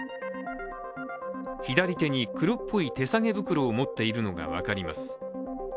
左手に黒っぽい手提げ袋を持っているのが分かります。